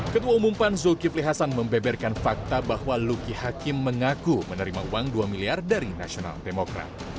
ketua umum pan zulkifli hasan membeberkan fakta bahwa luki hakim mengaku menerima uang dua miliar dari nasional demokrat